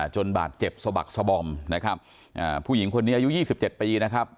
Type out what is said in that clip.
จนบาดเจ็บสะบักสบอมนะครับผู้หญิงคนนี้อายุ๒๗ปีนะครับ